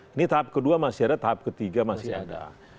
ini tahap kedua masih ada tahap ketiga masih ada